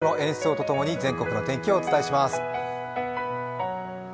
ピアノの演奏とともに全国の天気をお伝えします。